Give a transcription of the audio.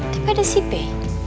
daripada si be